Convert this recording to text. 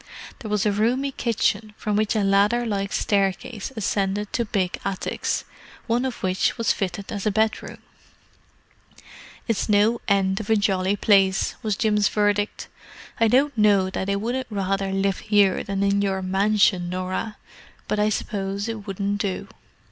There was a roomy kitchen, from which a ladder like staircase ascended to big attics, one of which was fitted as a bedroom. "It's no end of a jolly place," was Jim's verdict. "I don't know that I wouldn't rather live here than in your mansion, Norah; but I suppose it wouldn't do."